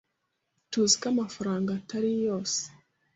TUZI ko amafaranga atari yose.